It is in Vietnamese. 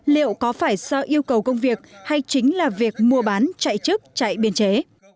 liệu có phải do yêu cầu công việc hay chính là việc mua bán chạy chức chạy biên chế